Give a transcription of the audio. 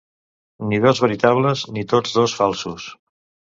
Ni dos veritables, ni tots dos falsos.